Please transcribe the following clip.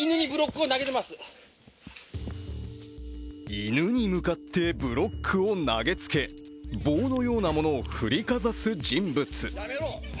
犬に向かってブロックを投げつけ棒のようなものを振りかざす人物。